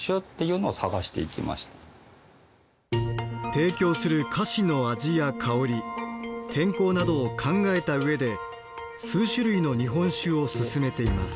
提供する菓子の味や香り天候などを考えた上で数種類の日本酒をすすめています。